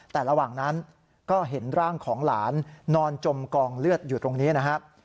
แต่ระหว่างนั้นก็เห็นร่างของหลานนอนจมกองเลือดอยู่ตรงนี้นะครับ